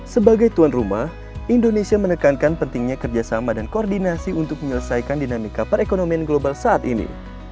sebagai tuan rumah indonesia menekankan pentingnya kerjasama dan koordinasi untuk menyelesaikan dinamika perekonomian global saat ini